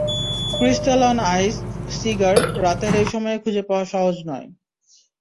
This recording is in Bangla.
ক্রিস্ট্যাল অন আইস, সিগার, রাতের এই সময়ে খুঁজে পাওয়া সহজ নয়।